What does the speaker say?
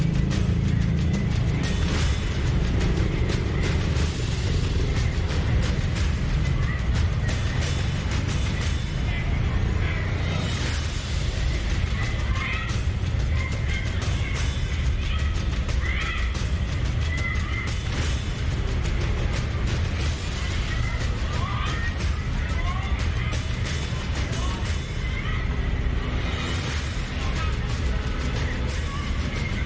ไว้ไปดูเหตุการณ์